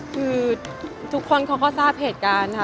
คือทุกคนเขาก็ทราบเหตุการณ์ค่ะ